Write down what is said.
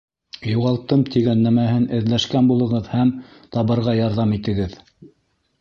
Юғалттым тигән нәмәһен эҙләшкән булығыҙ һәм табырға ярҙам итегеҙ.